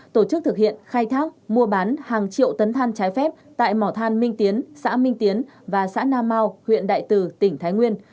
tổ chức thực hiện khai thác mua bán hàng triệu tấn than trái phép tại mỏ than minh tiến xã minh tiến và xã na mau huyện đại từ tỉnh thái nguyên